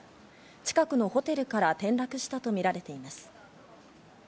近くのホテルから転落したとみられています。